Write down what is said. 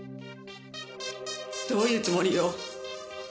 どういうつもりよ。